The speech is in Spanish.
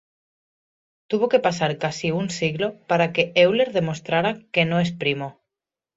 Tuvo que pasar casi un siglo para que Euler demostrara que no es primo.